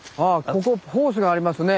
ここホースがありますね。